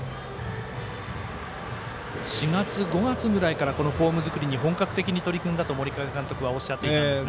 ４月、５月ぐらいからフォーム作りに本格的に取り組んだと監督がおっしゃっていたんですが。